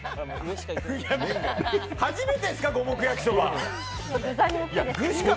初めてですか？